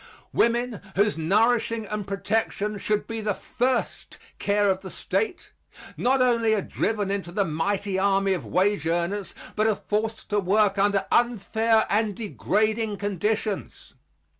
Women, whose nourishing and protection should be the first care of the State, not only are driven into the mighty army of wage earners, but are forced to work under unfair and degrading conditions.